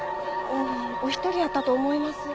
うんお一人やったと思います。